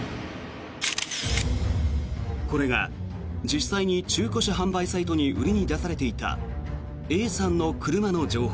これが実際に中古車販売サイトに売りに出されていたＡさんの車の情報。